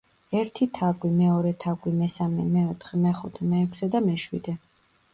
ერთი თაგვი, მეორე თაგვი, მესამე, მეოთხე, მეხუთე, მეექვსე და მეშვიდე.